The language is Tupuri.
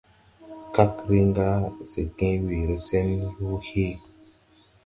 Kag rin gà se gęę weere se yoo hee.